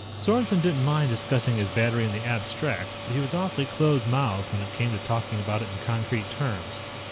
Sorensen didn't mind discussing his battery in the abstract, but he was awfully close mouthed when it came to talking about it in concrete terms.